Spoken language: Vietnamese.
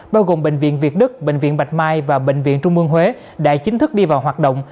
bao gồm bệnh viện việt đức bệnh viện bạch mai và bệnh viện trung mương huế đã chính thức đi vào hoạt động